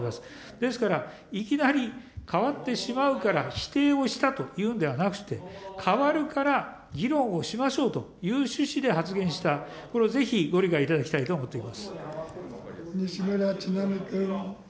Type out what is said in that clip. ですから、いきなり変わってしまうから否定をしたというんではなくて、変わるから議論をしましょうという趣旨で発言した、これをぜひご西村智奈美君。